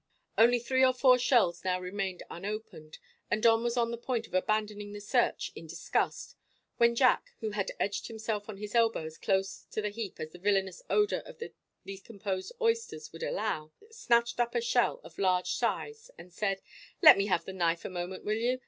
Only three or four shells now remained unopened, and Don was on the point of abandoning the search in disgust, when Jack, who had edged himself on his elbow as close to the heap as the villainous odour of the decomposed oysters would allow, snatched up a shell of large size, and said: "Let me have the knife a moment, will you?